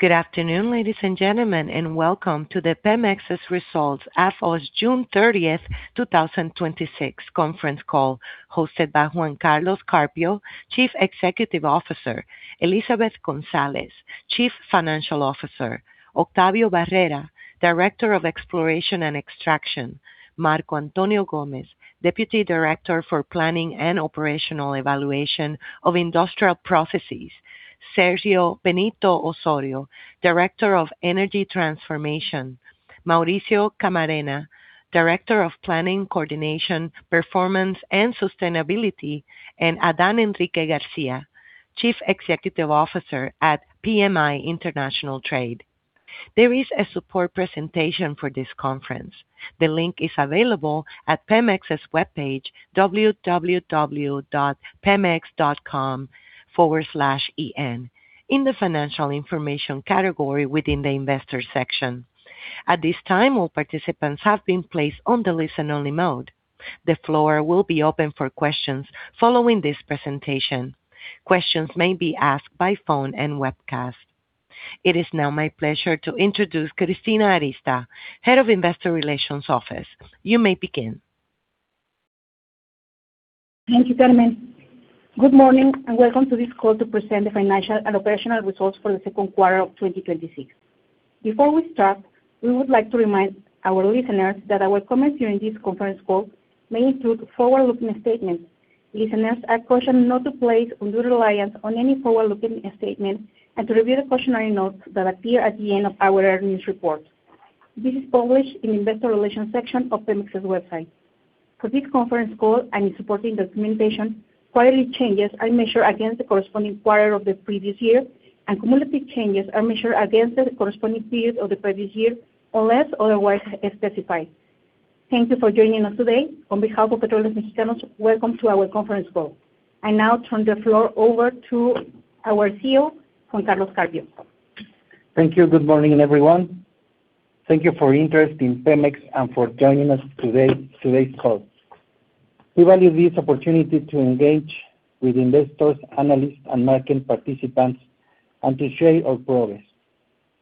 Good afternoon, ladies and gentlemen, and welcome to the Pemex's results as of June 30th, 2026 conference call hosted by Juan Carlos Carpio, Chief Executive Officer, Elizabeth González, Chief Financial Officer, Octavio Barrera, Director of Exploration and Extraction, Marco Antonio Gomez, Deputy Director for Planning and Operational Evaluation of Industrial Processes, Sergio Benito Osorio, Director of Energy Transformation, Mauricio Camarena, Director of Planning, Coordination, Performance and Sustainability, and Adán Enrique García, Chief Executive Officer at PMI International Trade. There is a support presentation for this conference. The link is available at Pemex's webpage, www.pemex.com/en, in the financial information category within the investor section. At this time, all participants have been placed on the listen-only mode. The floor will be open for questions following this presentation. Questions may be asked by phone and webcast. It is now my pleasure to introduce Cristina Arista, Head of Investor Relations Office. You may begin. Thank you, Carmen. Good morning, and welcome to this call to present the financial and operational results for the second quarter of 2026. Before we start, we would like to remind our listeners that our comments during this conference call may include forward-looking statements. Listeners are cautioned not to place undue reliance on any forward-looking statements and to review the cautionary notes that appear at the end of our earnings report. This is published in the investor relations section of Pemex's website. For this conference call and its supporting documentation, quarterly changes are measured against the corresponding quarter of the previous year, and cumulative changes are measured against the corresponding period of the previous year, unless otherwise specified. Thank you for joining us today. On behalf of Petróleos Mexicanos, welcome to our conference call. I now turn the floor over to our CEO, Juan Carlos Carpio. Thank you. Good morning, everyone. Thank you for your interest in Pemex and for joining us today's call. We value this opportunity to engage with investors, analysts, and market participants and to share our progress.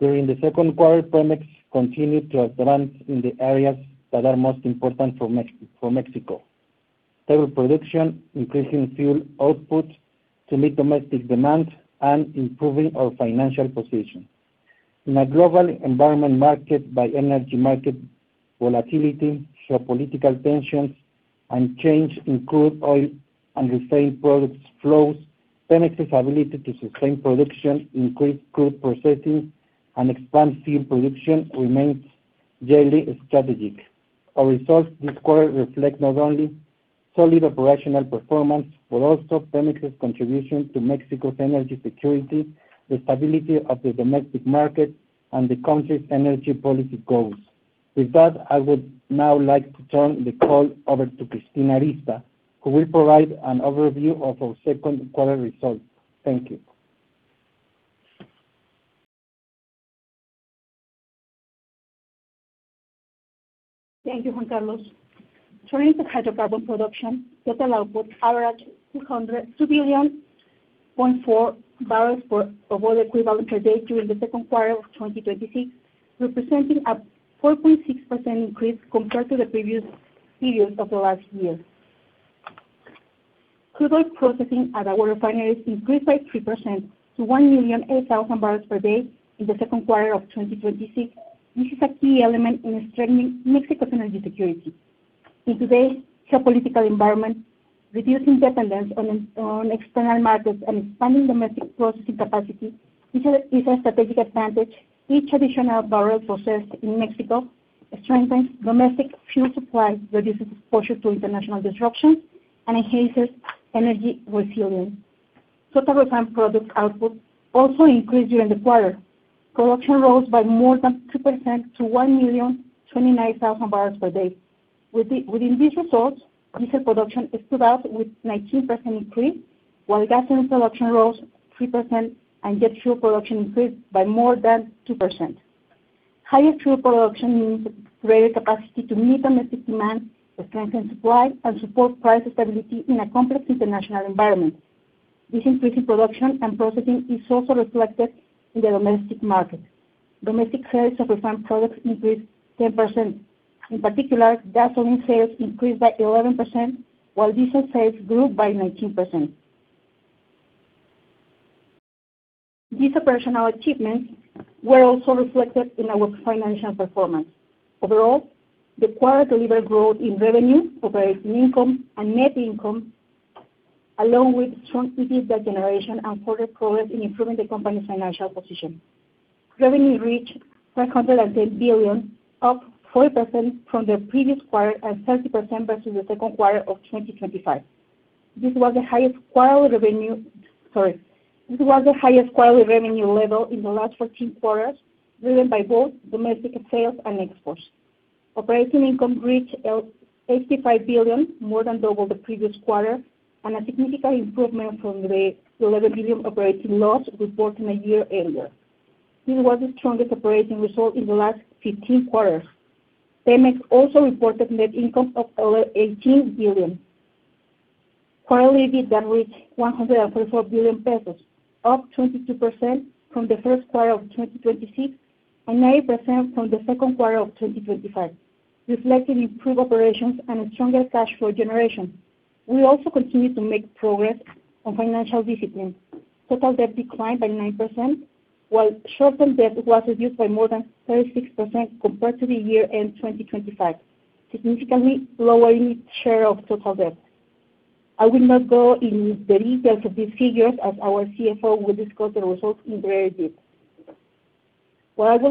During the second quarter, Pemex continued to advance in the areas that are most important for Mexico. Stable production, increasing fuel output to meet domestic demand, and improving our financial position. In a global environment market by energy market volatility, geopolitical tensions, and change in crude oil and refined products flows, Pemex's ability to sustain production, increase crude processing, and expand fuel production remains generally strategic. Our results this quarter reflect not only solid operational performance, but also Pemex's contribution to Mexico's energy security, the stability of the domestic market, and the country's energy policy goals. With that, I would now like to turn the call over to Cristina Arista, who will provide an overview of our second quarter results. Thank you. Thank you, Juan Carlos. Turning to hydrocarbon production, total output averaged 2.4 million barrels of oil equivalent per day during the second quarter of 2026, representing a 4.6% increase compared to the previous period of the last year. Crude oil processing at our refineries increased by 3% to 1,008,000 bbl per day in the second quarter of 2026. This is a key element in strengthening Mexico's energy security. In today's geopolitical environment, reducing dependence on external markets and expanding domestic processing capacity is a strategic advantage. Each additional barrel processed in Mexico strengthens domestic fuel supply, reduces exposure to international disruption, and enhances energy resilience. Total refined product output also increased during the quarter. Production rose by more than 2% to 1,029,000 bbl per day. Within these results, diesel production stood out with a 19% increase, while gasoline production rose 3% and jet fuel production increased by more than 2%. Higher fuel production means a greater capacity to meet domestic demand, strengthen supply, and support price stability in a complex international environment. This increase in production and processing is also reflected in the domestic market. Domestic sales of refined products increased 10%. In particular, gasoline sales increased by 11%, while diesel sales grew by 19%. These operational achievements were also reflected in our financial performance. Overall, the quarter delivered growth in revenue, operating income, and net income, along with strong EBITDA generation and further progress in improving the company's financial position. Revenue reached 510 billion, up 40% from the previous quarter and 30% versus the second quarter of 2025. This was the highest quarterly revenue level in the last 14 quarters, driven by both domestic sales and exports. Operating income reached 85 billion, more than double the previous quarter and a significant improvement from the 11 billion operating loss reported a year earlier. This was the strongest operating result in the last 15 quarters. Pemex also reported net income of 18 billion. For EBITDA reached 144 billion pesos, up 22% from the first quarter of 2026, and 9% from the second quarter of 2025, reflecting improved operations and a stronger cash flow generation. We also continue to make progress on financial discipline. Total debt declined by 9%, while short-term debt was reduced by more than 36% compared to the year-end 2025, significantly lowering its share of total debt. I will not go in the details of these figures as our CFO will discuss the results in great depth. Finally,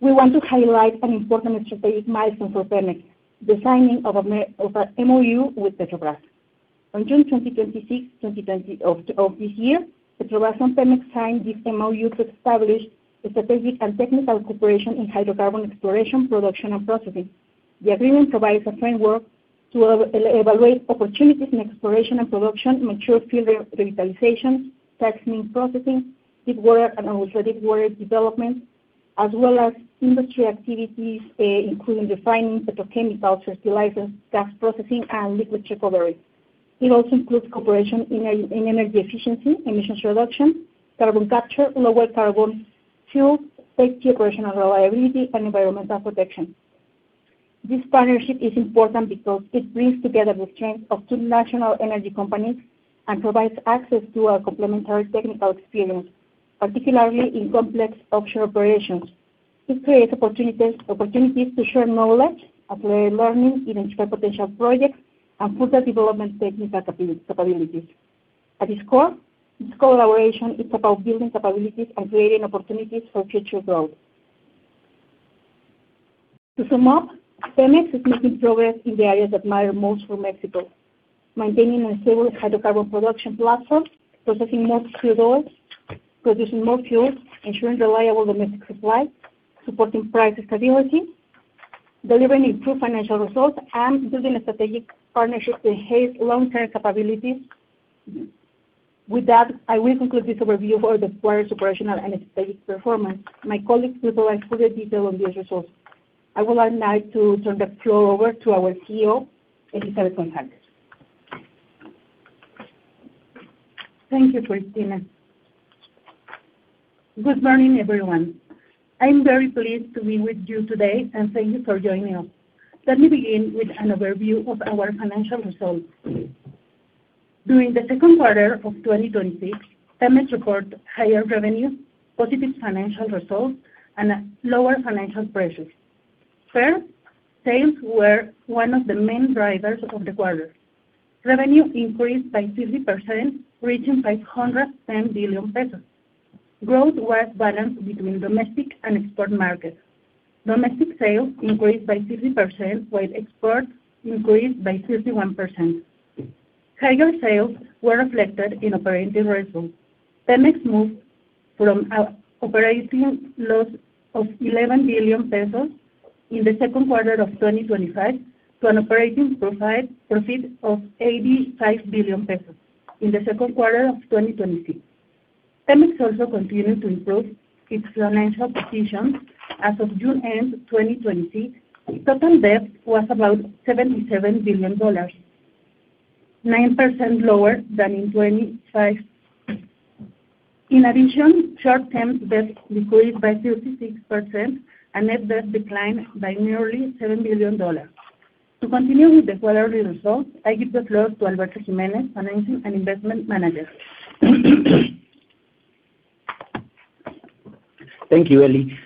we want to highlight an important strategic milestone for Pemex, the signing of a MoU with Petrobras. On June 2026 of this year, Petrobras and Pemex signed this MoU to establish a strategic and technical cooperation in hydrocarbon exploration, production, and processing. The agreement provides a framework to evaluate opportunities in exploration and production, mature field revitalization, downstream processing, deepwater and ultra-deepwater development, as well as industry activities, including refining petrochemicals, fertilizers, gas processing, and liquid recovery. It also includes cooperation in energy efficiency, emissions reduction, carbon capture, lower carbon fuels, safety, operational reliability, and environmental protection. This partnership is important because it brings together the strength of two national energy companies and provides access to a complementary technical experience, particularly in complex offshore operations. This creates opportunities to share knowledge, accelerate learning, identify potential projects, and further development technical capabilities. At its core, this collaboration is about building capabilities and creating opportunities for future growth. To sum up, Pemex is making progress in the areas that matter most for Mexico: maintaining a stable hydrocarbon production platform, processing more crude oil, producing more fuels, ensuring reliable domestic supply, supporting price stability, delivering improved financial results, and building strategic partnerships to enhance long-term capabilities. With that, I will conclude this overview of the quarter's operational and strategic performance. My colleagues will provide further detail on the other results. I would like now to turn the floor over to our CFO, Elizabeth González. Thank you, Cristina. Good morning, everyone. I am very pleased to be with you today, and thank you for joining us. Let me begin with an overview of our financial results. During the second quarter of 2026, Pemex record higher revenue, positive financial results, and lower financial pressures. First, sales were one of the main drivers of the quarter. Revenue increased by 30%, reaching 510 billion pesos. Growth was balanced between domestic and export markets. Domestic sales increased by 30%, while exports increased by 31%. Higher sales were reflected in operating results. Pemex moved from operating loss of 11 billion pesos in the second quarter of 2025 to an operating profit of 85 billion pesos in the second quarter of 2026. Pemex also continued to improve its financial position. As of June end 2026, total debt was about $77 billion, 9% lower than in 2025. In addition, short-term debt decreased by 36%, and net debt declined by nearly MXN 7 billion. To continue with the quarterly results, I give the floor to Alberto Jiménez, financing and investment manager. Thank you, Elizabeth.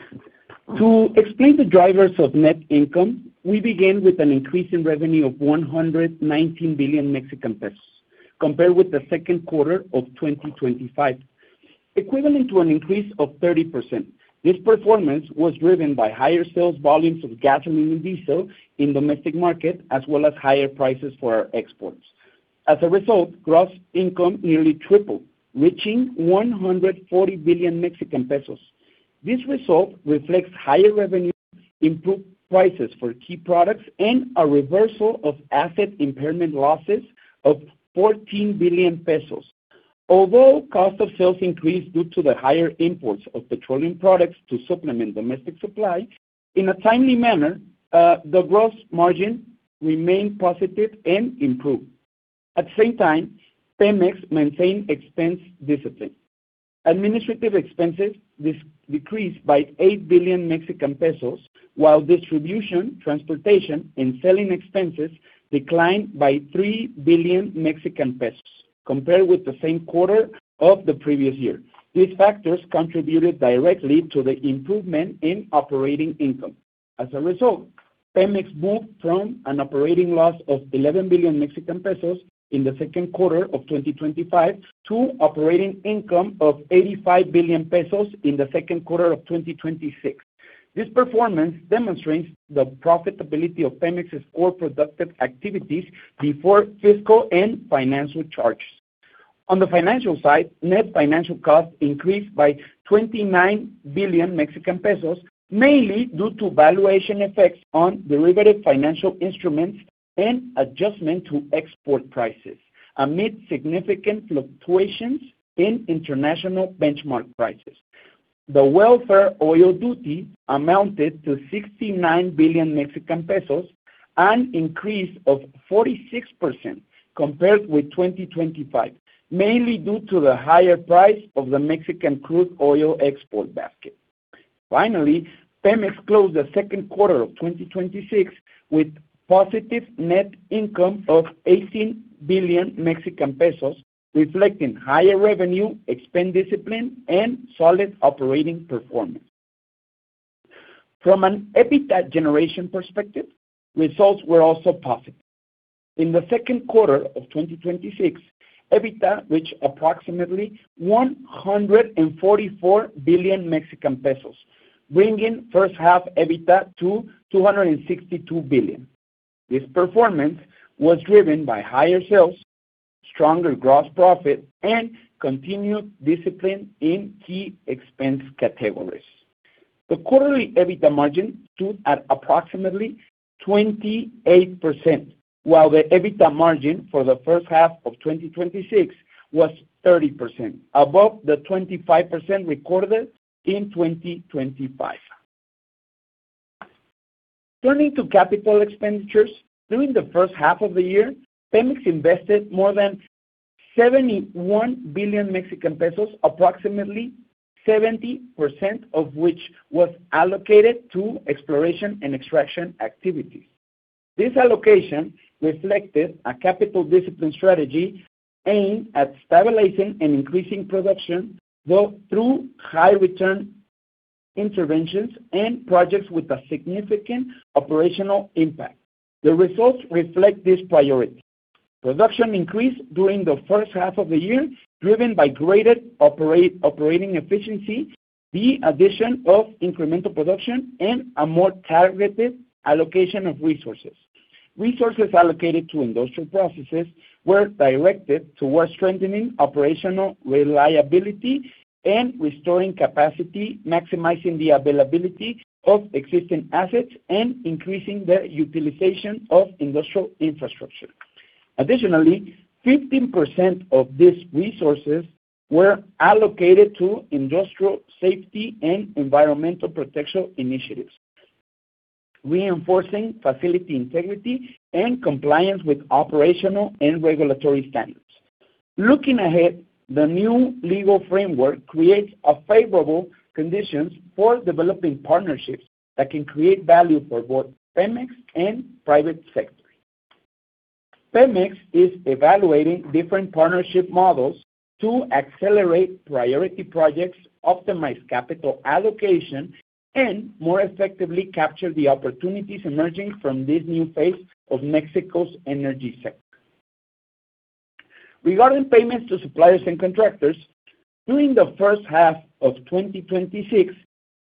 To explain the drivers of net income, we begin with an increase in revenue of 119 billion Mexican pesos compared with the second quarter of 2025, equivalent to an increase of 30%. This performance was driven by higher sales volumes of gasoline and diesel in domestic market, as well as higher prices for our exports. As a result, gross income nearly tripled, reaching 140 billion Mexican pesos. This result reflects higher revenue, improved prices for key products, and a reversal of asset impairment losses of 14 billion pesos. Although cost of sales increased due to the higher imports of petroleum products to supplement domestic supply, in a timely manner, the gross margin remained positive and improved. At the same time, Pemex maintained expense discipline. Administrative expenses decreased by 8 billion Mexican pesos, while distribution, transportation, and selling expenses declined by 3 billion Mexican pesos compared with the same quarter of the previous year. These factors contributed directly to the improvement in operating income. As a result, Pemex moved from an operating loss of 11 billion Mexican pesos in the second quarter of 2025 to operating income of 85 billion pesos in the second quarter of 2026. This performance demonstrates the profitability of Pemex's core productive activities before fiscal and financial charges. On the financial side, net financial costs increased by 29 billion Mexican pesos, mainly due to valuation effects on derivative financial instruments. Adjustment to export prices amid significant fluctuations in international benchmark prices. The Welfare Oil Duty amounted to 69 billion Mexican pesos, an increase of 46% compared with 2025, mainly due to the higher price of the Mexican crude oil export basket. Finally, Pemex closed the second quarter of 2026 with positive net income of 18 billion Mexican pesos, reflecting higher revenue, expense discipline, and solid operating performance. From an EBITDA generation perspective, results were also positive. In the second quarter of 2026, EBITDA reached approximately 144 billion Mexican pesos, bringing first-half EBITDA to 262 billion. This performance was driven by higher sales, stronger gross profit, and continued discipline in key expense categories. The quarterly EBITDA margin stood at approximately 28%, while the EBITDA margin for the first half of 2026 was 30%, above the 25% recorded in 2025. Turning to capital expenditures, during the first half of the year, Pemex invested more than 71 billion Mexican pesos, approximately 70% of which was allocated to exploration and extraction activities. This allocation reflected a capital discipline strategy aimed at stabilizing and increasing production through high-return interventions and projects with a significant operational impact. The results reflect this priority. Production increased during the first half of the year, driven by greater operating efficiency, the addition of incremental production, and a more targeted allocation of resources. Resources allocated to Industrial Processes were directed towards strengthening operational reliability and restoring capacity, maximizing the availability of existing assets, and increasing the utilization of industrial infrastructure. Additionally, 15% of these resources were allocated to industrial safety and environmental protection initiatives, reinforcing facility integrity and compliance with operational and regulatory standards. Looking ahead, the new legal framework creates favorable conditions for developing partnerships that can create value for both Pemex and the private sector. Pemex is evaluating different partnership models to accelerate priority projects, optimize capital allocation, and more effectively capture the opportunities emerging from this new phase of Mexico's energy sector. Regarding payments to suppliers and contractors, during the first half of 2026,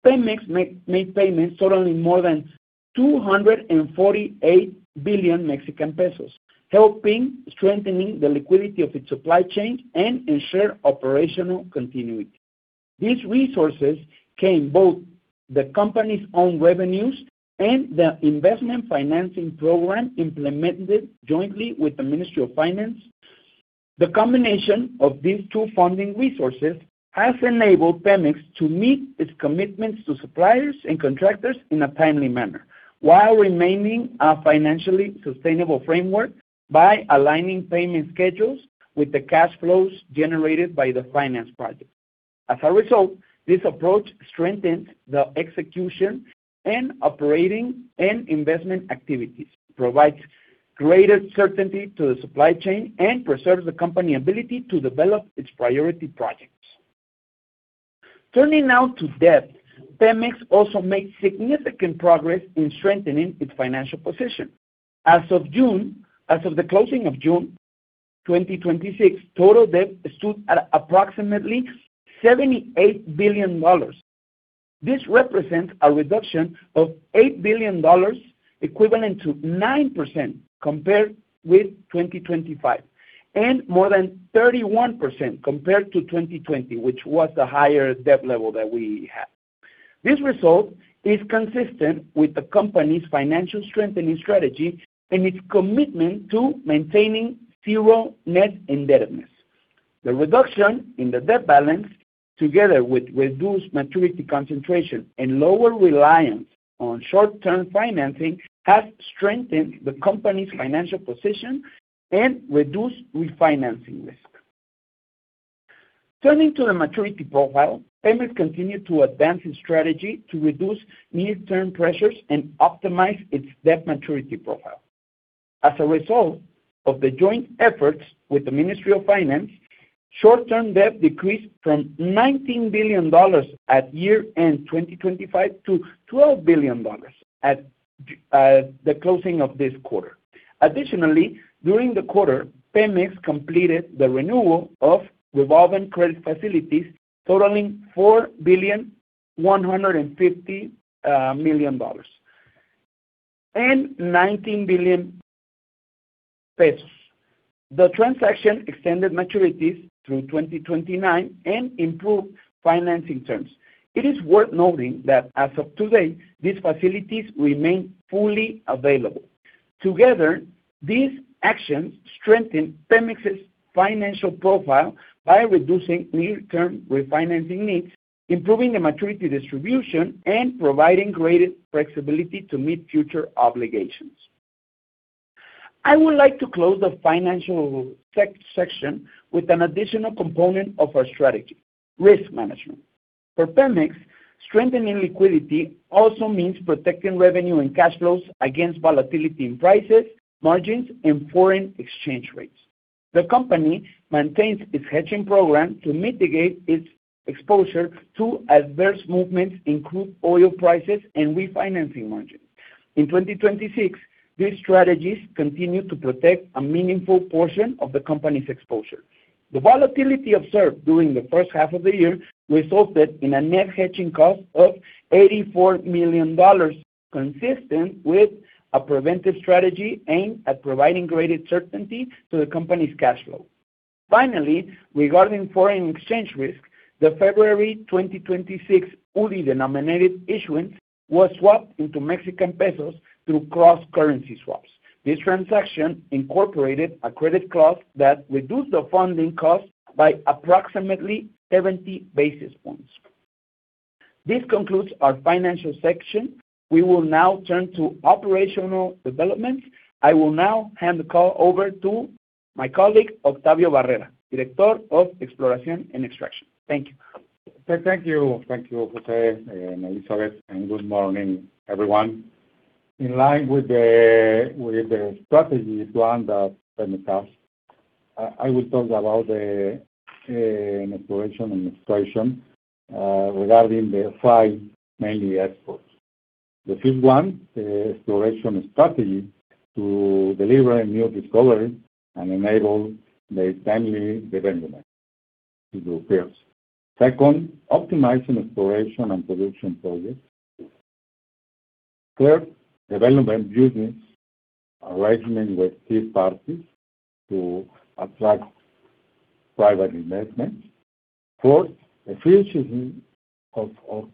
Pemex made payments totaling more than 248 billion Mexican pesos, helping strengthening the liquidity of its supply chain and ensure operational continuity. These resources came from both the company's own revenues and the investment financing program implemented jointly with the Ministry of Finance. The combination of these two funding resources has enabled Pemex to meet its commitments to suppliers and contractors in a timely manner while remaining a financially sustainable framework by aligning payment schedules with the cash flows generated by the finance project. As a result, this approach strengthens the execution in operating and investment activities, provides greater certainty to the supply chain, and preserves the company's ability to develop its priority projects. Turning now to debt, Pemex also made significant progress in strengthening its financial position. As of the closing of June 2026, total debt stood at approximately $78 billion. This represents a reduction of $8 billion, equivalent to 9% compared with 2025, and more than 31% compared to 2020, which was the highest debt level that we had. This result is consistent with the company's financial strengthening strategy and its commitment to maintaining zero net indebtedness. The reduction in the debt balance, together with reduced maturity concentration and lower reliance on short-term financing, has strengthened the company's financial position and reduced refinancing risk. Turning to the maturity profile, Pemex continued to advance its strategy to reduce near-term pressures and optimize its debt maturity profile. As a result of the joint efforts with the Ministry of Finance, short-term debt decreased from $19 billion at year-end 2025 to $12 billion at the closing of this quarter. Additionally, during the quarter, Pemex completed the renewal of revolving credit facilities totaling $4.150 billion and 19 billion pesos. The transaction extended maturities through 2029 and improved financing terms. It is worth noting that as of today, these facilities remain fully available. Together, these actions strengthen Pemex's financial profile by reducing near-term refinancing needs, improving the maturity distribution, and providing greater flexibility to meet future obligations. I would like to close the financial section with an additional component of our strategy, risk management. For Pemex, strengthening liquidity also means protecting revenue and cash flows against volatility in prices, margins, and foreign exchange rates. The company maintains its hedging program to mitigate its exposure to adverse movements in crude oil prices and refinancing margins. In 2026, these strategies continue to protect a meaningful portion of the company's exposure. The volatility observed during the first half of the year resulted in a net hedging cost of $84 million, consistent with a preventive strategy aimed at providing greater certainty to the company's cash flow. Finally, regarding foreign exchange risk, the February 2026 UDI-denominated issuance was swapped into Mexican pesos through cross-currency swaps. This transaction incorporated a credit clause that reduced the funding cost by approximately 70 basis points. This concludes our financial section. We will now turn to operational developments. I will now hand the call over to my colleague, Octavio Barrera, Director of Exploration and Extraction. Thank you. Thank you. Thank you, Alberto and Elizabeth, and good morning, everyone. In line with the strategy plan of Pemex, I will talk about the exploration and extraction regarding the five main exports. The fifth one, the exploration strategy to deliver a new discovery and enable the timely development to do this. Second, optimizing exploration and production projects. Third, development business arrangement with third parties to attract private investment. Fourth, efficiency of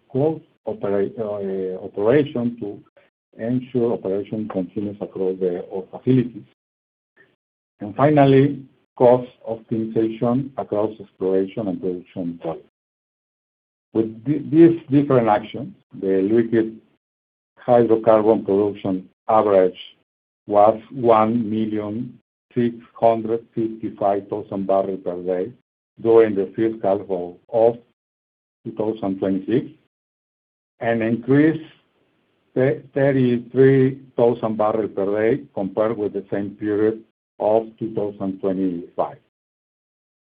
core operation to ensure operation continues across all facilities. Finally, cost optimization across exploration and production sites. With these different actions, the liquid hydrocarbon production average was 1,655,000 bbl per day during the fiscal of 2026, an increase 33,000 bbl per day compared with the same period of 2025.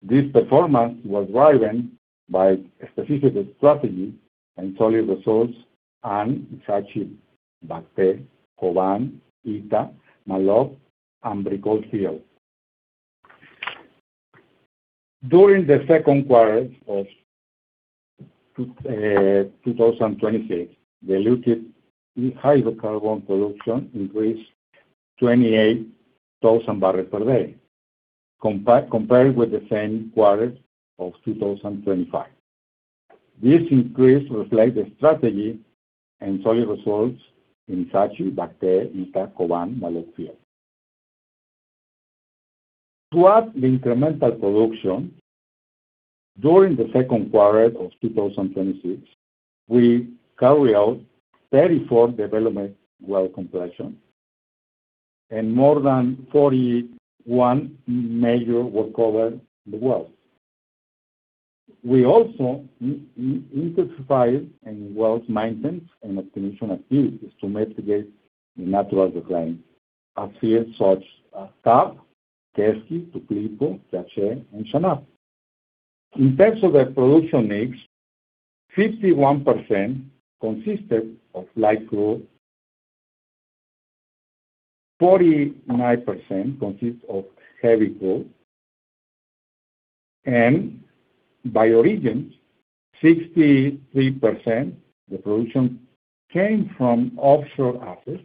This performance was driven by a specific strategy and solid results and Koban, Ita, Maloob, and [Bricol] fields. During the second quarter of 2026, diluted hydrocarbon production increased 28,000 bbl per day compared with the same quarter of 2025. This increase reflects the strategy and solid results in fields. To add the incremental production during the second quarter of 2026, we carried out 34 development well completions and more than 41 major workover the wells. We also intensified in wells maintenance and optimization activities to mitigate the natural decline of fields such as Tupilco, Quesqui, Tuxtla, Yaxché, and Xanab. In terms of the production mix, 51% consisted of light crude, 49% consists of heavy crude, and by origin, 63% of the production came from offshore assets,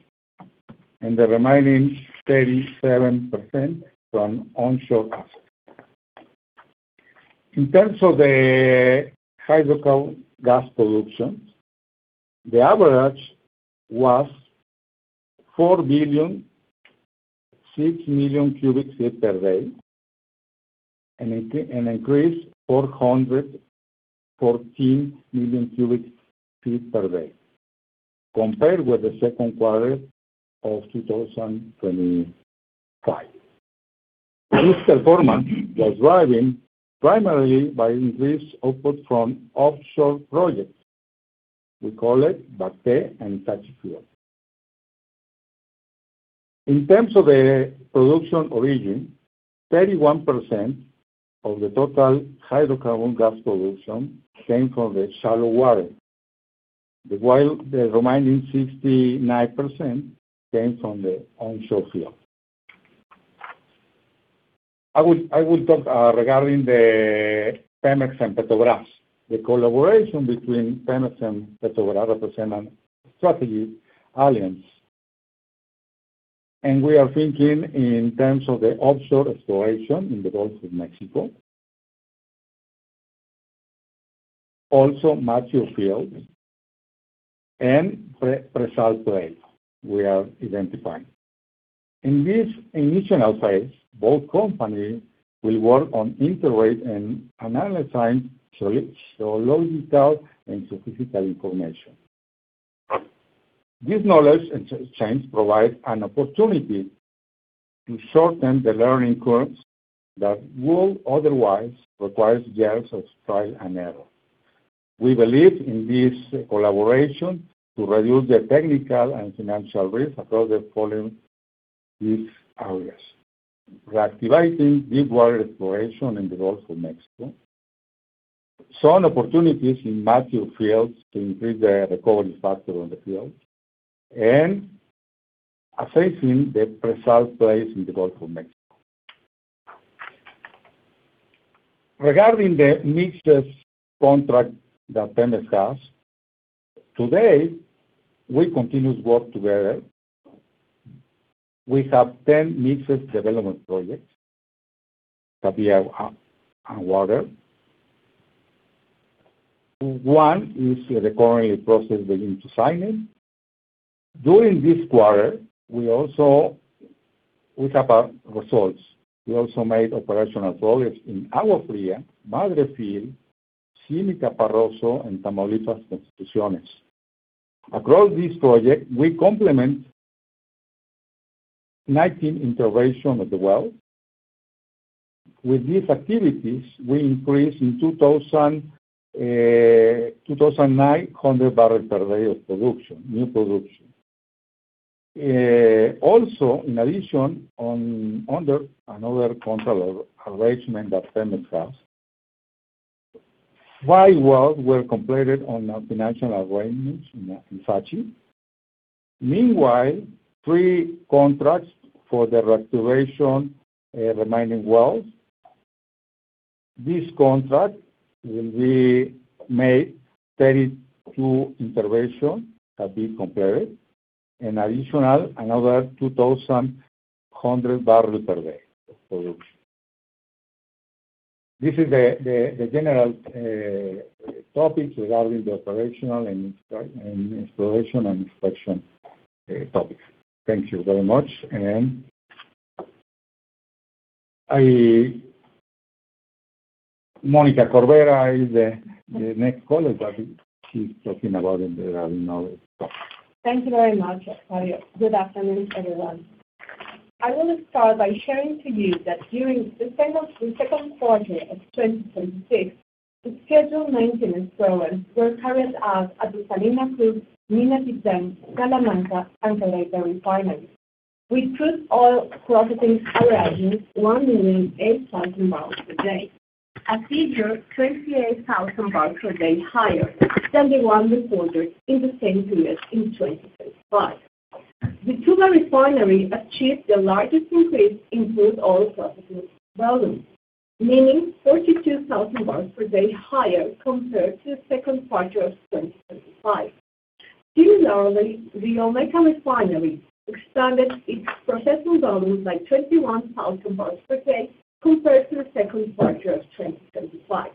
and the remaining 37% from onshore assets. In terms of the hydrocarbon gas production, the average was 4,006,000 cu ft per day, an increase 414 million cubic feet per day compared with the second quarter of 2025. This performance was driven primarily by increased output from offshore projects. We call it. In terms of the production origin, 31% of the total hydrocarbon gas production came from the shallow water, while the remaining 69% came from the onshore fields. I will talk regarding the Pemex and Petrobras. The collaboration between Pemex and Petrobras represents a strategy alliance. We are thinking in terms of the offshore exploration in the Gulf of Mexico. Also mature fields and pre-salt plays we are identifying. In this initial phase, both companies will work on integrate and analyzing geological and geophysical information. This knowledge exchange provides an opportunity to shorten the learning curves that would otherwise require years of trial and error. We believe in this collaboration to reduce the technical and financial risk across the following key areas: Reactivating deepwater exploration in the Gulf of Mexico, some opportunities in mature fields to increase the recovery factor on the fields, and assessing the pre-salt plays in the Gulf of Mexico. Regarding the mixed contracts that Pemex has, today, we continue to work together. We have 10 mixed development projects that we have under way. One is currently in process being assigned. During this quarter, we have our results. We also made operational drills in Agua Fría, Madero Field, [Chimica Rosso], and Tamaulipas-Constituciones. Across this project, we completed 19 interventions of the wells. With these activities, we increased in 2,900 bbl per day of new production. In addition, under another contract arrangement that Pemex has, five wells were completed on multinational arrangements in Chichi. Meanwhile, three contracts for the restoration remaining wells. This contract will make 32 interventions have been completed, an additional 2,100 bbl per day of production. This is the general topics regarding the operational and exploration and extraction topics. Thank you very much. Mónica Corvera is the next caller. There are no stops. Thank you very much, Octavio. Good afternoon, everyone. I want to start by sharing to you that during the second quarter of 2026, the scheduled maintenance programs were carried out at the Salina Cruz, Minatitlán, Salamanca, and Tula refineries. We put oil processing averages, 1,008,000 bbl per day, a figure 28,000 bbl per day higher than the one reported in the same period in 2025. The Tula refinery achieved the largest increase in crude oil processing volume, meaning 42,000 bbl per day higher compared to the second quarter of 2025. Similarly, the Olmeca refinery expanded its processing volume by 21,000 bbl per day compared to the second quarter of 2025.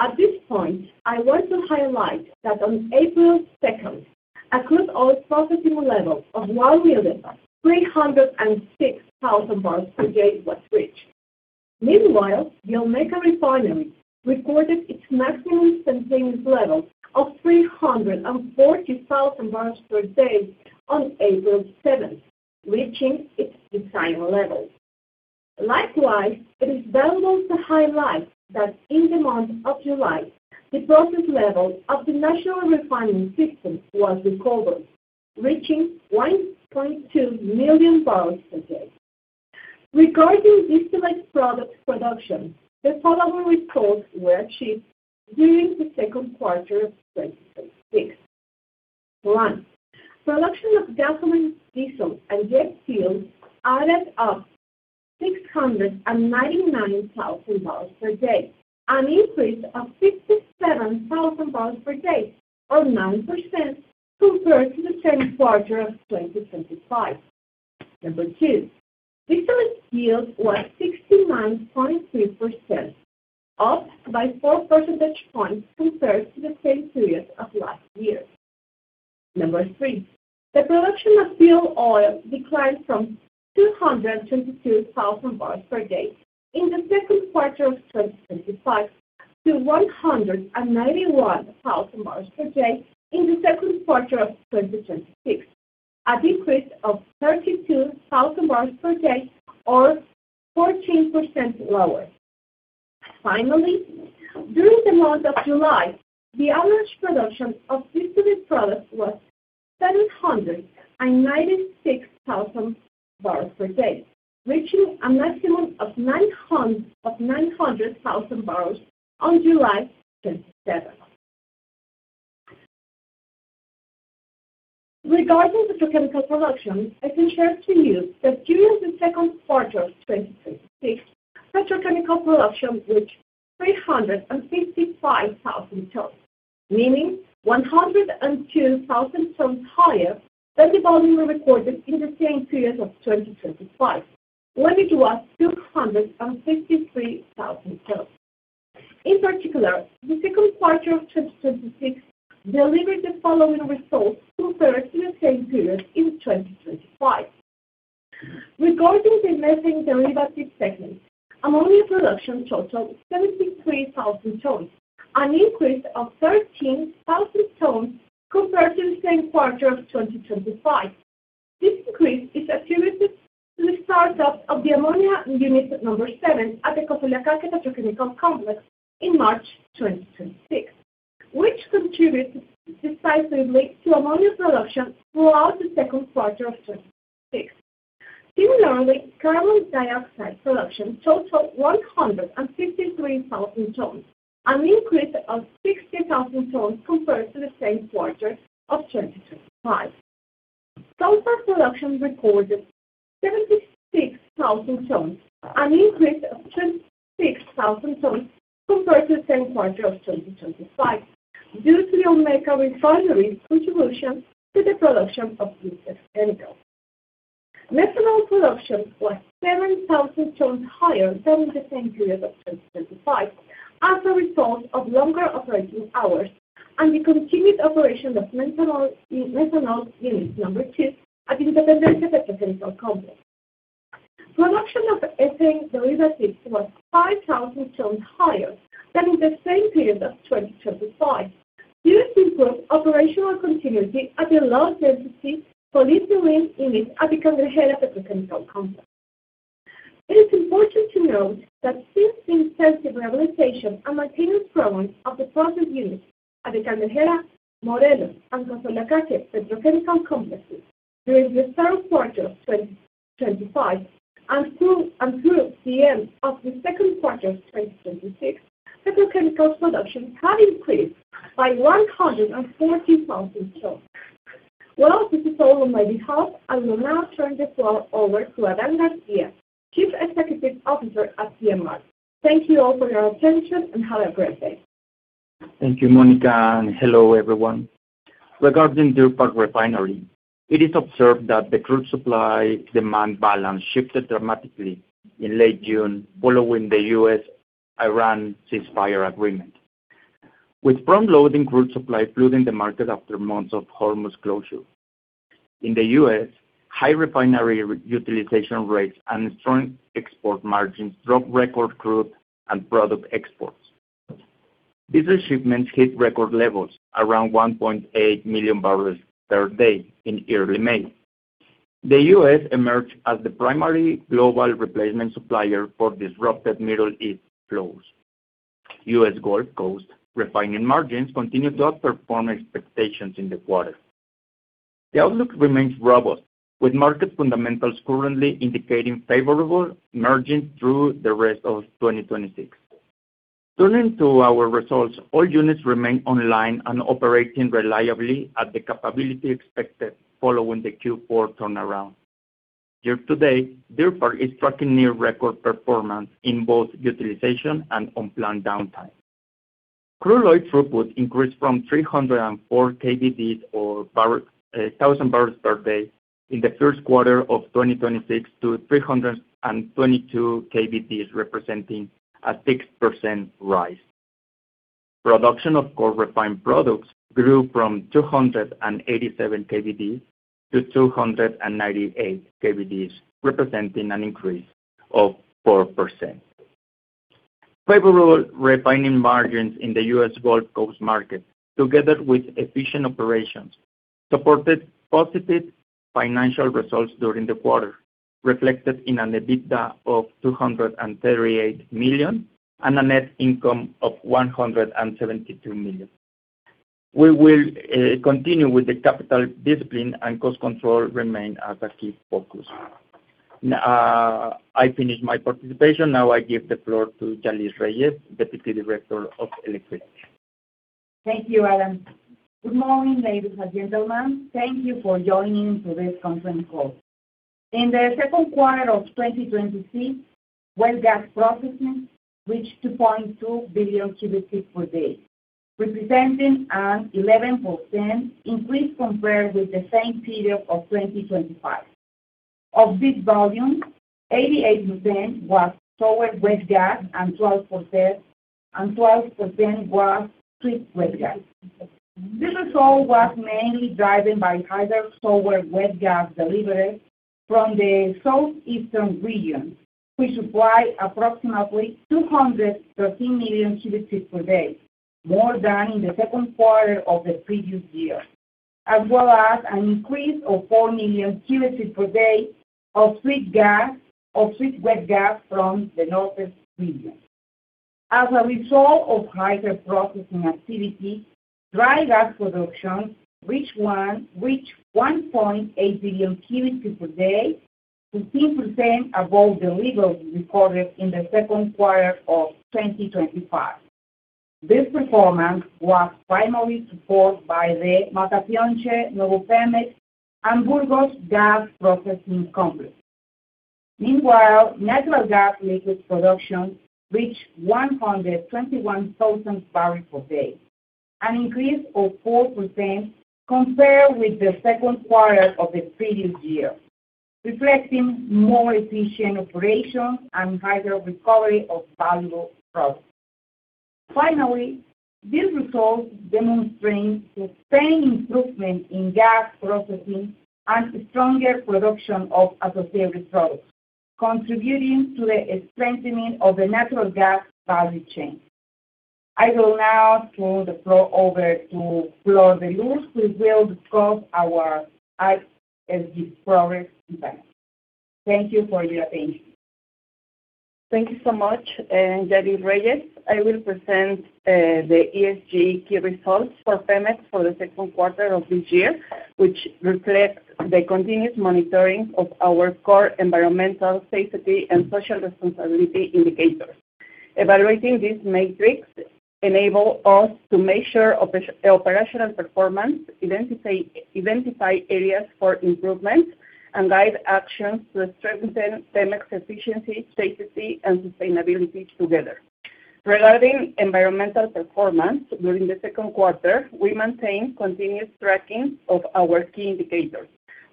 At this point, I want to highlight that on April 2nd, a crude oil processing level of 1,306,000 bbl per day was reached. Meanwhile, the Olmeca refinery recorded its maximum sustained level of 340,000 bbl per day on April 7th, reaching its design level. Likewise, it is valuable to highlight that in the month of July, the processing level of the national refinery system was recovered, reaching 1.2 MMbpd. Regarding distillate products production, the following records were achieved during the second quarter of 2026. One, production of gasoline, diesel, and jet fuel added up 699,000 bbl per day, an increase of 57,000 bbl per day or 9% compared to the same quarter of 2025. Number two, distillate yield was 69.3%, up by 4 percentage points compared to the same period of last year. Number three, the production of fuel oil declined from 222,000 bbl per day in the second quarter of 2025 to 191,000 bbl per day in the second quarter of 2026, a decrease of 32,000 bbl per day or 14% lower. Finally, during the month of July, the average production of distillate products was 796,000 bbl per day, reaching a maximum of 900,000 bbl on July 27th. Regarding petrochemical production, I can share with you that during the second quarter of 2026, petrochemical production reached 355,000 tons, meaning 102,000 tons higher than the volume we recorded in the same period of 2025, when it was 253,000 tons. In particular, the second quarter of 2026 delivered the following results compared to the same period in 2025. Regarding the methane derivative segment, ammonia production totaled 73,000 tons, an increase of 13,000 tons compared to the same quarter of 2025. This increase is attributed to the startup of the ammonia unit number seven at the Coatzacoalcos Petrochemical Complex in March 2026, which contributed decisively to ammonia production throughout the second quarter of 2026. Similarly, carbon dioxide production totaled 153,000 tons, an increase of 60,000 tons compared to the same quarter of 2025. Sulfur production recorded 76,000 tons, an increase of 26,000 tons compared to the same quarter of 2025, due to the Olmeca refinery's contribution to the production of this chemical. Methanol production was 7,000 tons higher than in the same period of 2025 as a result of longer operating hours and the continued operation of methanol unit number two at the Pajaritos Petrochemical Complex. Production of ethane derivatives was 5,000 tons higher than in the same period of 2025 due to improved operational continuity at the low-density polyethylene unit at the Cangrejera Petrochemical Complex. It is important to note that since the intensive rehabilitation and maintenance programs of the process units at the Cangrejera, Morelos, and Coatzacoalcos Petrochemical Complexes during the third quarter of 2025 and through the end of the second quarter of 2026, petrochemical productions have increased by 140,000 tons. This is all on my behalf. I will now turn the floor over to Adán García, Chief Executive Officer at PMI. Thank you all for your attention, and have a great day. Thank you, Mónica, and hello, everyone. Regarding Deer Park Refinery, it is observed that the crude supply-demand balance shifted dramatically in late June following the U.S.-Iran ceasefire agreement. With front-loading crude supply flooding the market after months of Hormuz closure. In the U.S., high refinery utilization rates and strong export margins drove record crude and product exports. Diesel shipments hit record levels, around 1.8 MMbpd in early May. The U.S. emerged as the primary global replacement supplier for disrupted Middle East flows. U.S. Gulf Coast refining margins continued to outperform expectations in the quarter. The outlook remains robust, with market fundamentals currently indicating favorable margins through the rest of 2026. Turning to our results, all units remain online and operating reliably at the capability expected following the Q4 turnaround. Year-to-date, Deer Park is tracking near record performance in both utilization and unplanned downtime. Crude oil throughput increased from 304 Kbds or thousand barrels per day in the first quarter of 2026 to 322 Kbds, representing a 6% rise. Production of core refined products grew from 287 Kbds to 298 Kbds, representing an increase of 4%. Favorable refining margins in the U.S. Gulf Coast market, together with efficient operations, supported positive financial results during the quarter, reflected in an EBITDA of $238 million and a net income of $172 million. We will continue with the capital discipline, and cost control remain as a key focus. I finished my participation. I give the floor to Yali Reyes, Deputy Director of Electricity. Thank you, Adán. Good morning, ladies and gentlemen. Thank you for joining today's conference call. In the second quarter of 2026, well gas processing reached 2.2 billion cubic feet per day, representing an 11% increase compared with the same period of 2025. Of this volume, 88% was sour wet gas and 12% was sweet wet gas. This result was mainly driven by higher sour wet gas deliveries from the southeastern region, which supply approximately 213 million cubic feet per day, more than in the second quarter of the previous year, as well as an increase of four million cubic feet per day of sweet wet gas from the northeast region. As a result of higher processing activity, dry gas production reached 1.8 billion cubic feet per day, 15% above the levels recorded in the second quarter of 2025. This performance was primarily supported by the Matapionche, Nuevo Pemex, and Burgos gas processing complex. Meanwhile, natural gas liquids production reached 121,000 bbl per day, an increase of 4% compared with the second quarter of the previous year, reflecting more efficient operations and higher recovery of valuable products. Finally, these results demonstrate sustained improvement in gas processing and stronger production of associated products, contributing to the strengthening of the natural gas value chain. I will now turn the floor over to Flor De Luz, who will discuss our ESG progress impact. Thank you for your attention. Thank you so much, Yali Reyes. I will present the ESG key results for Pemex for the second quarter of this year, which reflect the continuous monitoring of our core environmental, safety, and social responsibility indicators. Evaluating this matrix enable us to measure operational performance, identify areas for improvement, and guide actions to strengthen Pemex efficiency, safety, and sustainability together. Regarding environmental performance, during the second quarter, we maintained continuous tracking of our key indicators.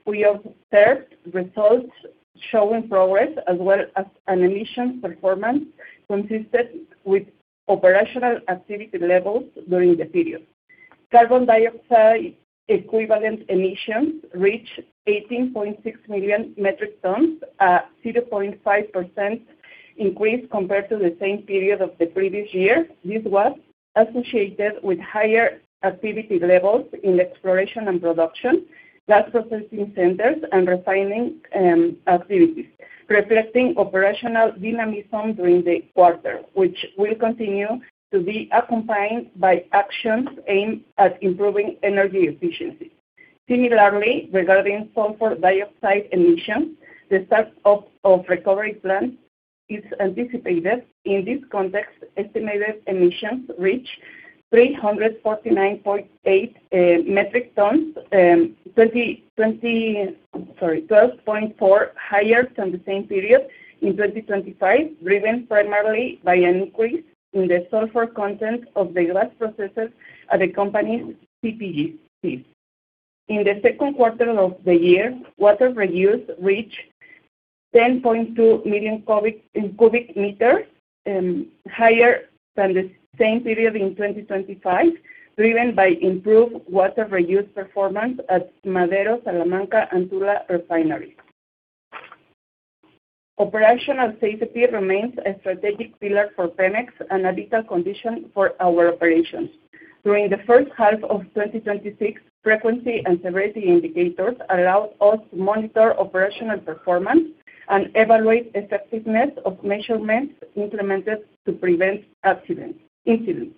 We observed results showing progress as well as an emissions performance consistent with operational activity levels during the period. Carbon dioxide equivalent emissions reached 18.6 million metric tons, a 0.5% increase compared to the same period of the previous year. This was associated with higher activity levels in exploration and production, gas processing centers, and refining activities, reflecting operational dynamism during the quarter, which will continue to be accompanied by actions aimed at improving energy efficiency. Similarly, regarding sulfur dioxide emissions, the start of recovery plan is anticipated. In this context, estimated emissions reached 349.8 metric tons, 12.4% higher than the same period in 2025, driven primarily by an increase in the sulfur content of the gas processes at the company's CPGs. In the second quarter of the year, water reuse reached 10.2 million cubic meters, higher than the same period in 2025, driven by improved water reuse performance at Madero, Salamanca, and Tula refineries. Operational safety remains a strategic pillar for Pemex and a vital condition for our operations. During the first half of 2026, frequency and severity indicators allowed us to monitor operational performance and evaluate effectiveness of measurements implemented to prevent incidents.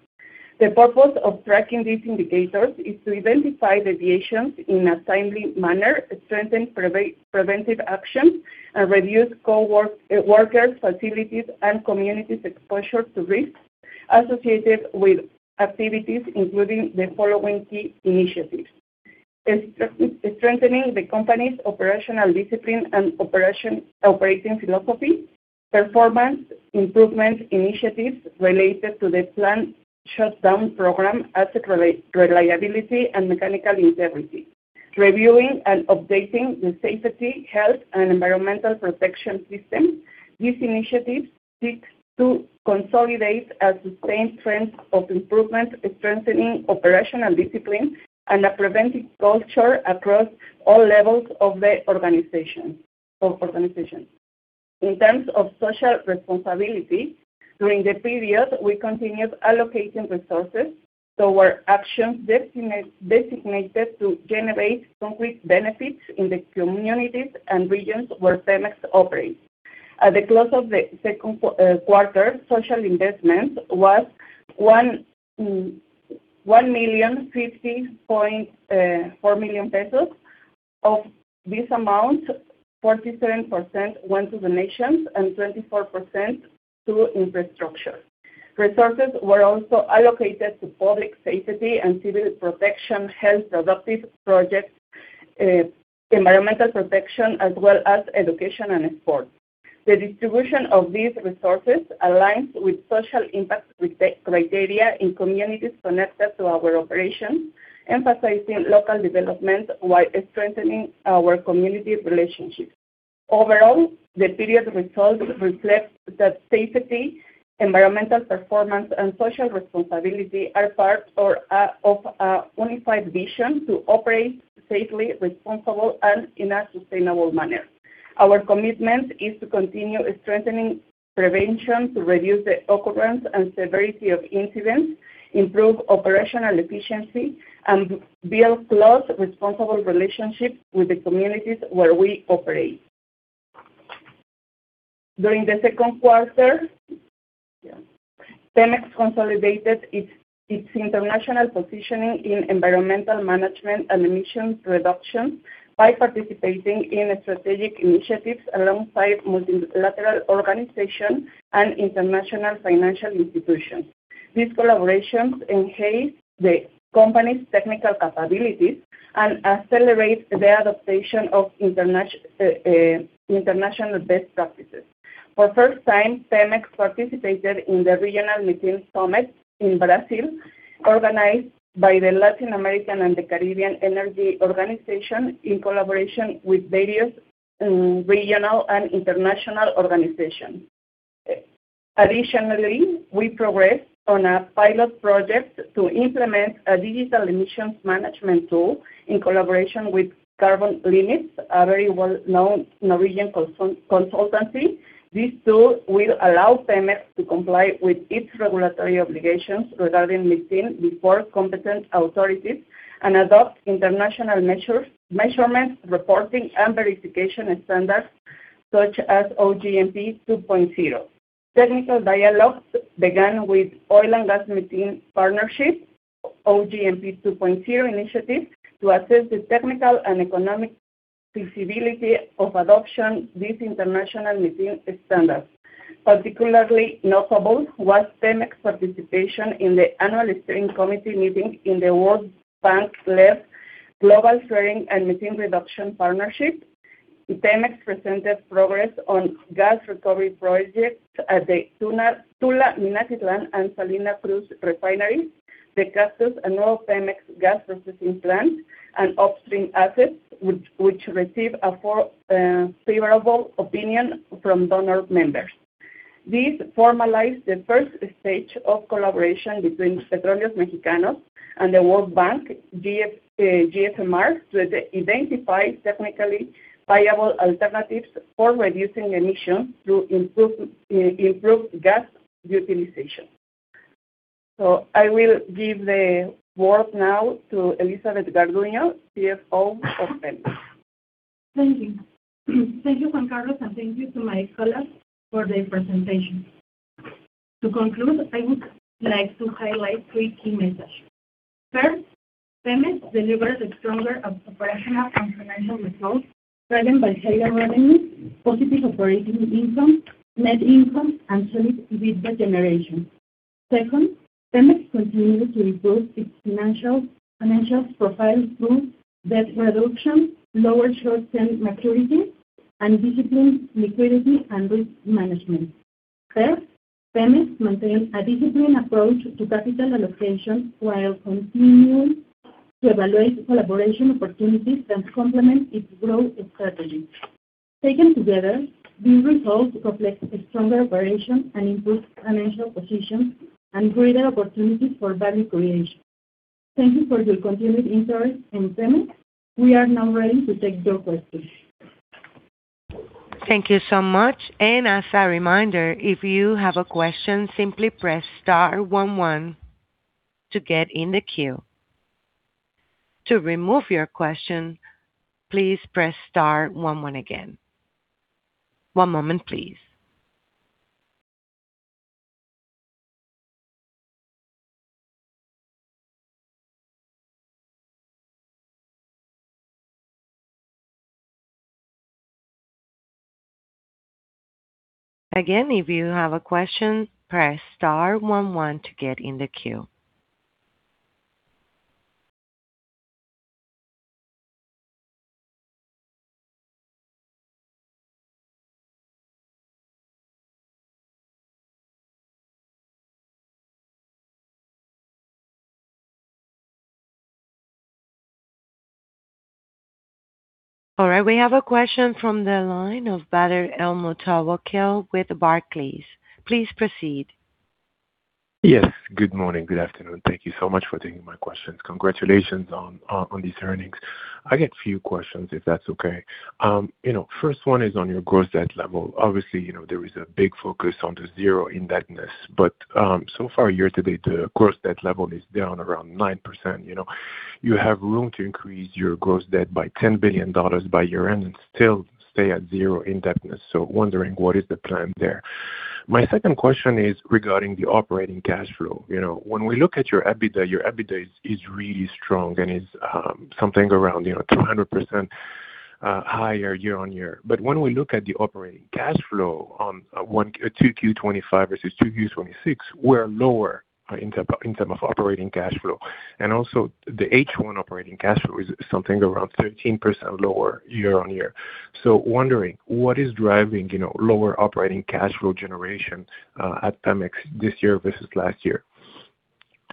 The purpose of tracking these indicators is to identify deviations in a timely manner, strengthen preventive action, and reduce co-workers, facilities, and communities' exposure to risks associated with activities, including the following key initiatives: strengthening the company's operational discipline and operating philosophy, performance improvement initiatives related to the plant shutdown program, asset reliability, and mechanical integrity, reviewing and updating the safety, health, and environmental protection system. These initiatives seek to consolidate a sustained trend of improvement, strengthening operational discipline and a preventive culture across all levels of the organization. In terms of social responsibility, during the period, we continued allocating resources toward actions designated to generate concrete benefits in the communities and regions where Pemex operates. At the close of the second quarter, social investment was 1,050.4 million. Of this amount, 47% went to the nations and 24% to infrastructure. Resources were also allocated to public safety and civil protection, health adoptive projects, environmental protection, as well as education and sports. The distribution of these resources aligns with social impact criteria in communities connected to our operations, emphasizing local development while strengthening our community relationships. Overall, the period results reflect that safety, environmental performance, and social responsibility are part of a unified vision to operate safely, responsible, and in a sustainable manner. Our commitment is to continue strengthening prevention to reduce the occurrence and severity of incidents, improve operational efficiency, and build close, responsible relationships with the communities where we operate. During the second quarter, Pemex consolidated Its international positioning in environmental management and emissions reduction by participating in strategic initiatives alongside multilateral organizations and international financial institutions. These collaborations enhance the company's technical capabilities and accelerate the adaptation of international best practices. For the first time, Pemex participated in the regional methane summit in Brazil, organized by the Latin American and Caribbean Energy Organization, in collaboration with various regional and international organizations. Additionally, we progressed on a pilot project to implement a digital emissions management tool in collaboration with Carbon Limits, a very well-known Norwegian consultancy. This tool will allow Pemex to comply with its regulatory obligations regarding methane before competent authorities and adopt international measurement, reporting, and verification standards such as OGMP 2.0. Technical dialogues began with Oil and Gas Methane Partnership, OGMP 2.0 initiative, to assess the technical and economic feasibility of adopting these international methane standards. Particularly notable was Pemex's participation in the annual steering committee meeting in the World Bank's-led Global Flaring and Methane Reduction Partnership. Pemex presented progress on gas recovery projects at the Tula, Minatitlán, and Salina Cruz refineries, the Cactus and New Pemex gas processing plant, and upstream assets, which received a favorable opinion from donor members. This formalized the first stage of collaboration between Petróleos Mexicanos and the World Bank GFMR to identify technically viable alternatives for reducing emissions to improve gas utilization. I will give the floor now to Elizabeth González Garduño, CFO of Pemex. Thank you. Thank you, Juan Carlos, and thank you to my colleagues for their presentation. To conclude, I would like to highlight three key messages. First, Pemex delivered stronger operational and financial results, driven by higher revenues, positive operating income, net income, and solid EBITDA generation. Second, Pemex continued to improve its financial profile through debt reduction, lower short-term maturities, and disciplined liquidity and risk management. Third, Pemex maintains a disciplined approach to capital allocation while continuing to evaluate collaboration opportunities that complement its growth strategy. Taken together, these results reflect a stronger operation and improved financial position and greater opportunities for value creation. Thank you for your continued interest in Pemex. We are now ready to take your questions. Thank you so much. As a reminder, if you have a question, simply press star one one to get in the queue. To remove your question, please press star one one again. One moment, please. Again, if you have a question, press star one one to get in the queue. All right. We have a question from the line of Badr El Moutawakil with Barclays. Please proceed. Yes. Good morning. Good afternoon. Thank you so much for taking my questions. Congratulations on these earnings. I got a few questions, if that's okay. First one is on your gross debt level. Obviously, there is a big focus on the zero indebtedness, but so far, year-to-date, the gross debt level is down around 9%. You have room to increase your gross debt by $10 billion by year-end and still stay at zero indebtedness. Wondering, what is the plan there? My second question is regarding the operating cash flow. When we look at your EBITDA, your EBITDA is really strong and is something around 300% higher year-on-year. When we look at the operating cash flow on 2Q 2025 versus 2Q 2026, we're lower in terms of operating cash flow. Also the H1 operating cash flow is something around 13% lower year-on-year. Wondering, what is driving lower operating cash flow generation at Pemex this year versus last year?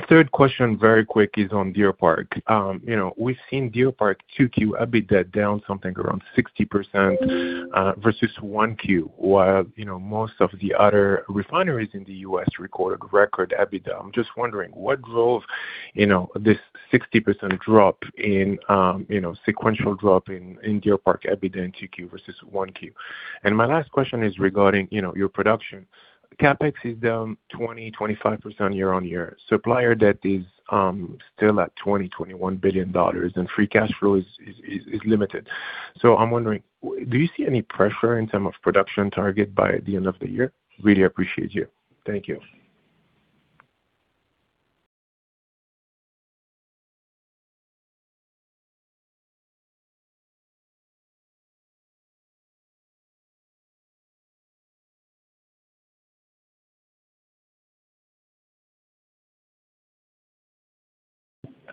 Third question, very quick, is on Deer Park. We've seen Deer Park 2Q EBITDA down something around 60% versus 1Q, while most of the other refineries in the U.S. recorded record EBITDA. I'm just wondering what drove this 60% sequential drop in Deer Park EBITDA in 2Q versus 1Q. My last question is regarding your production. CapEx is down 20%-25% year-on-year. Supplier debt is still at $20 billion-$21 billion. Free cash flow is limited. I'm wondering, do you see any pressure in terms of production target by the end of the year? Really appreciate you. Thank you.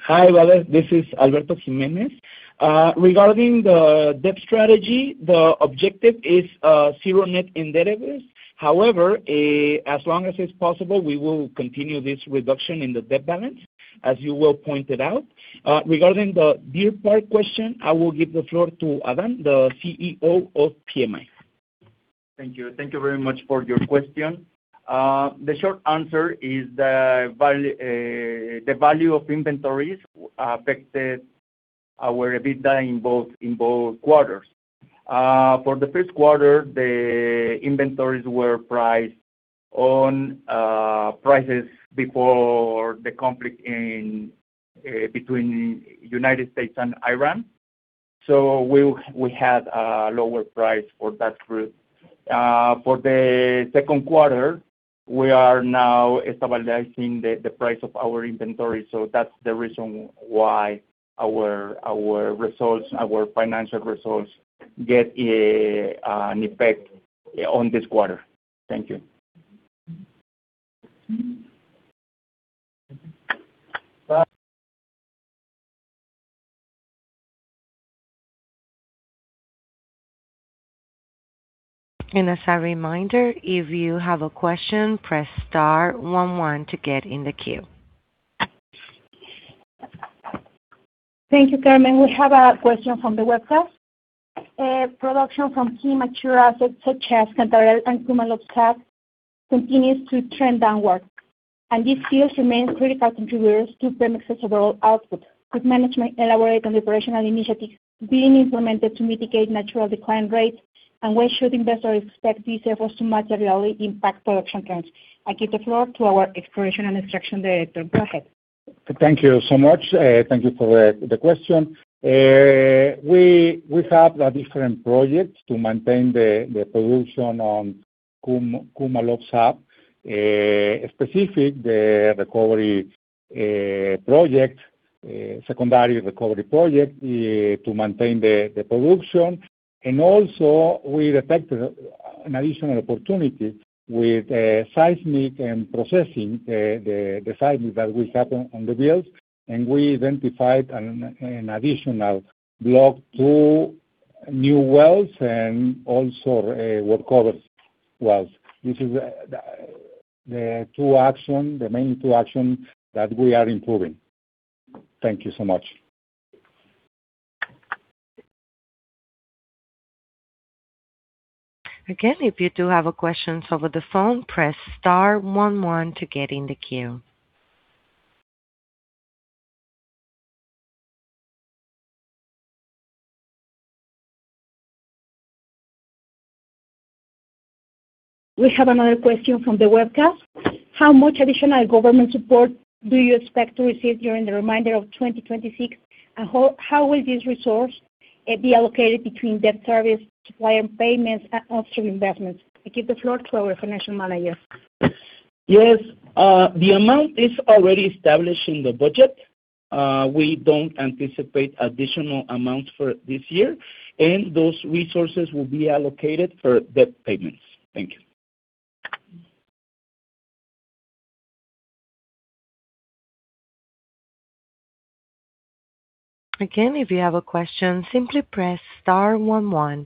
Hi, Badr. This is Alberto Jiménez. Regarding the debt strategy, the objective is zero net indebtedness. However, as long as it's possible, we will continue this reduction in the debt balance, as you well pointed out. Regarding the Deer Park question, I will give the floor to Adán, the CEO of PMI. Thank you. Thank you very much for your question. The short answer is the value of inventories affected our EBITDA in both quarters. For the first quarter, the inventories were priced on prices before the conflict between United States and Iran. We had a lower price for that group. For the second quarter, we are now stabilizing the price of our inventory. That's the reason why our financial results get an effect on this quarter. Thank you. Bye. As a reminder, if you have a question, press star one one to get in the queue. Thank you, Carmen. We have a question from the webcast. Production from key mature assets such as Cantarell and Ku-Maloob-Zaap continues to trend downward. These fields remain critical contributors to Pemex's overall output. Could management elaborate on the operational initiatives being implemented to mitigate natural decline rates, when should investors expect these efforts to materially impact production trends? I give the floor to our exploration and extraction director. Go ahead. Thank you so much. Thank you for the question. We have different projects to maintain the production on Ku-Maloob-Zaap, secondary recovery project, to maintain the production. Also we detected an additional opportunity with seismic and processing the seismic that we have on the wells, and we identified an additional block, two new wells, and also work over wells. This is the main two actions that we are improving. Thank you so much. Again, if you do have a question over the phone, press star 11 to get in the queue. We have another question from the webcast. How much additional government support do you expect to receive during the remainder of 2026? How will this resource be allocated between debt service, supplier payments, and upstream investments? I give the floor to our financial manager. Yes. The amount is already established in the budget. We don't anticipate additional amounts for this year. Those resources will be allocated for debt payments. Thank you. Again, if you have a question, simply press star one one.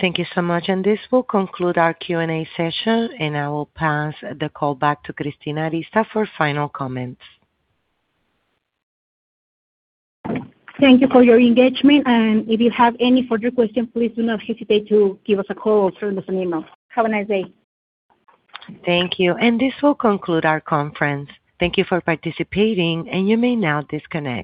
Thank you so much. This will conclude our Q&A session, and I will pass the call back to Cristina Arista for final comments. Thank you for your engagement. If you have any further questions, please do not hesitate to give us a call or send us an email. Have a nice day. Thank you. This will conclude our conference. Thank you for participating, and you may now disconnect.